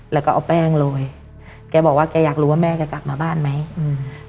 แล้วก็เอาแป้งโรยแกบอกว่าแกอยากรู้ว่าแม่แกกลับมาบ้านไหมอืม